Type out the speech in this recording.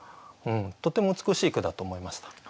とても美しい句だと思いました。